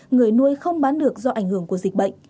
người nuôi không bán được do ảnh hưởng của dịch bệnh